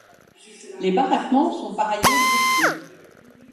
Les baraquements sont par ailleurs détruits.